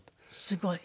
すごい！